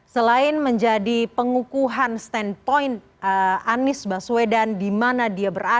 selain menjadi pengukuhan standpoint anies baswedan di mana dia berada